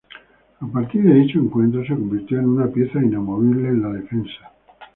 A partir de dicho encuentro, se convirtió en una pieza inamovible en la defensa.